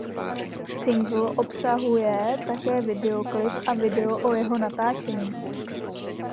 Singl obsahuje také videoklip a video o jeho natáčení.